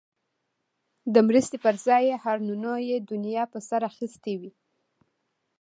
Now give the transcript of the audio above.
د مرستې پر ځای هارنونو یې دنیا په سر اخیستی وي.